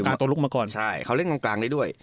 ตัวลุกมาก่อนใช่เขาเล่นตรงกลางได้ด้วย